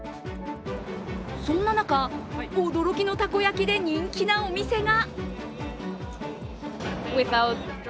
そんな中、驚きのたこ焼きで人気なお店が。